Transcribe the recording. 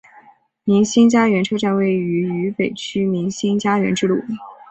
民心佳园车站位于渝北区民心佳园支路。